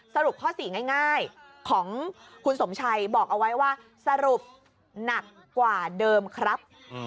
สรุปข้อ๔ง่ายของคุณสมชัยบอกเอาไว้ว่าสรุปหนักกว่าเดิมครับ